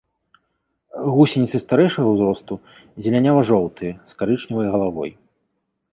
Гусеніцы старэйшага ўзросту зелянява-жоўтыя, з карычневай галавой.